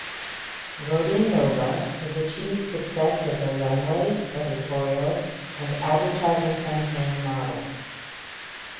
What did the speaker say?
Vodianova has achieved success as a runway, editorial, and advertising campaign model.